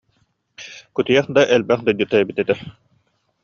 Кутуйах да элбэх дойдута эбит этэ